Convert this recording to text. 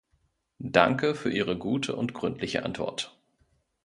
Danke für Ihre gute und gründliche Antwort.